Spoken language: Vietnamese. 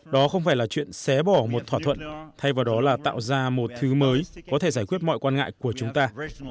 đó không phải là chuyện xé bỏ một thỏa thuận thay vào đó là tạo ra một thứ mới có thể giải quyết mọi quan ngại của chúng ta